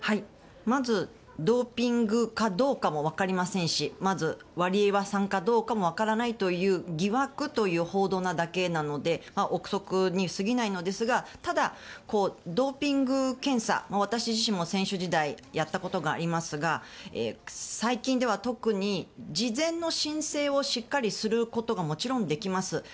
まずドーピングかどうかも分かりませんしワリエワさんかどうかも分からないという疑惑という報道なだけなので憶測にすぎないのですがただ、ドーピング検査、私自身も選手時代やったことがありますが最近では特に事前の申請をしっかりすることがもちろんできます。